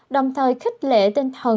đồng thời khích lệ tinh thần